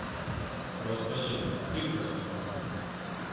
- Розкажи, скільки роздав.